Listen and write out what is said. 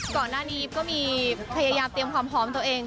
ก่อนหน้านี้ก็มีพยายามเตรียมความพร้อมตัวเอง